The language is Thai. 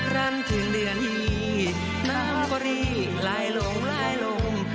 รันถึงเดือนนี้น้ำก็รีบลายลงลายลง